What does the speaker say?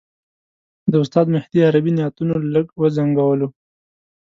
د استاد مهدي عربي نعتونو لږ وځنګولو.